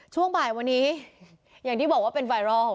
ช่วงบ่ายวันนี้อย่างที่บอกว่าเป็นไวรัล